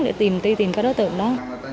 mình cố gắng để tìm tìm các đối tượng đó